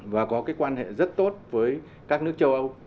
và có cái quan hệ rất tốt với các nước châu âu